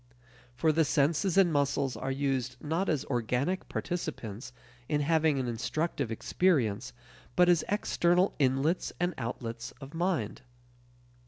For the senses and muscles are used not as organic participants in having an instructive experience, but as external inlets and outlets of mind.